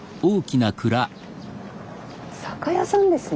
酒屋さんですね。